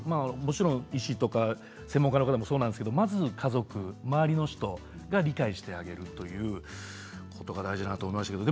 もちろん医師とか専門家の方もそうだけれど家族、周りの人が理解してあげるということが大事なんだと思います。